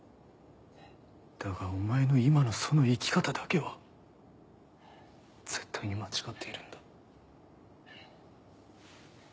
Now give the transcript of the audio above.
だがお前の今のその生き方だけは絶対に間違っているんだ。